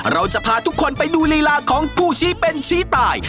เราจะพาทุกคนไปดูลีลาของผู้ชี้เป็นชี้ตาย